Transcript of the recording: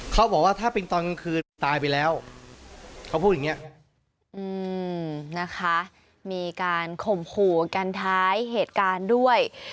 เขาบอกว่าถ้าเป็นตอนกลางคืนตายไปแล้วเขาพูดอย่างนี้นะคะมีการข่มขู่กันท้ายเหตุการณ์ด้วย